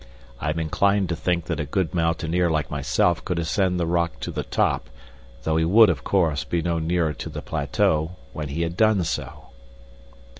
I am inclined to think that a good mountaineer like myself could ascend the rock to the top, though he would, of course, be no nearer to the plateau when he had done so."